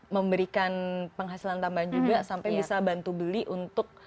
memberikan penghasilan tambahan juga sampai bisa bantu beli untuk